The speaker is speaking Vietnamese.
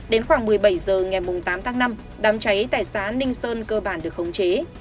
đến khoảng một mươi bảy h ngày tám tháng năm đám cháy tại xã ninh sơn cơ bản được khống chế